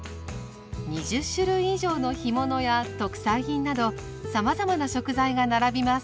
２０種類以上の干物や特産品などさまざまな食材が並びます。